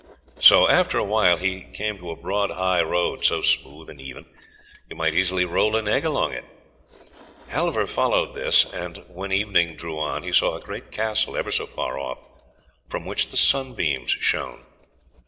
So after a while he came to a broad high road, so smooth and even, you might easily roll an egg along it. Halvor followed this, and when evening drew on he saw a great castle ever so far off, from which the sunbeams shone.